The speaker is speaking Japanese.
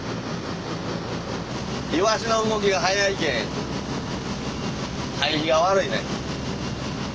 イワシの動きが速いけ入りが悪いねん。